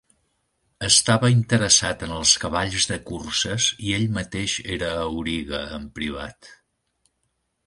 Estava interessat en els cavalls de curses i ell mateix era auriga en privat.